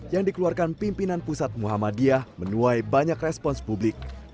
yang dikeluarkan pimpinan pusat muhammadiyah menuai banyak respons publik